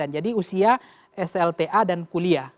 jadi usia slta dan kuliah